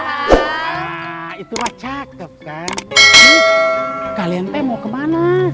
nah itu mah cakep kan kalian teh mau kemana